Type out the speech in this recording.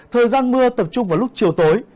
thời gian mưa tập trung vào lúc chiều tối